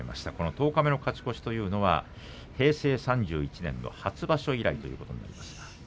十日目の勝ち越しは平成３１年初場所以来ということになります。